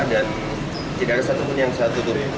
dan tidak ada satupun yang saya tutupi